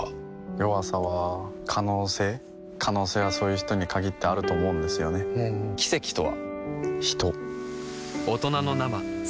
弱さは可能性可能性はそういう人に限ってあると思うんですよね奇跡とは？